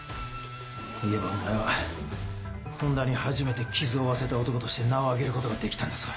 言えばお前は本多に初めて傷を負わせた男として名を上げることができたんだぞ。